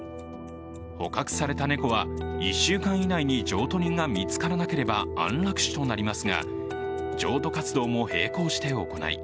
捕獲された猫は１週間以内に譲渡人が見つからなければ安楽死となりますが、譲渡活動も並行して行い